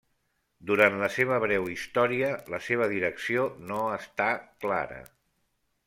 Durant la seva breu història la seva direcció no està clara.